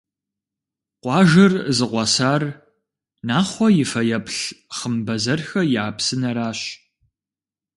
Къуажэр зыкъуэсар Нахъуэ и фэеплъ «Хъымбэзэрхэ я псынэращ».